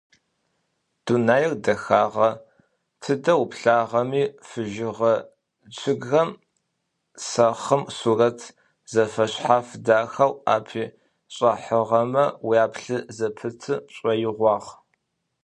Дунаир дэхагъэ: тыдэ уплъагъэми фыжьыгъэ, чъыгхэм сэхъым сурэт зэфэшъхьаф дахэу апишӏахьыгъэмэ уяплъы зэпыты пшӏоигъуагъ.